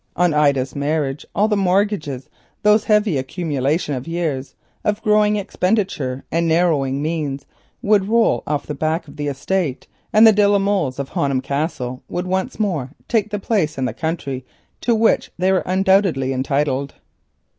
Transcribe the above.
On Ida's marriage all the mortgages, those heavy accumulations of years of growing expenditure and narrowing means, would roll off the back of the estate, and the de la Molles of Honham Castle would once more take the place in the county to which they were undoubtedly entitled.